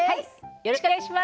よろしくお願いします。